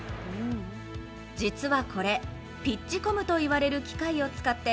実はこれ、ピッチコムといわれる機械を使って